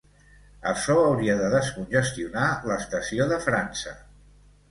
Açò hauria de descongestionar l'estació de França.